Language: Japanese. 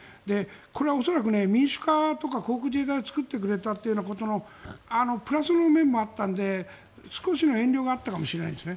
これは恐らく民主化とか航空自衛隊を作ってくれたってことのプラスの面もあったので少しの遠慮があったかもしれないんです。